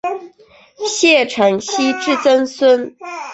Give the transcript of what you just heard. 谢承锡之曾孙。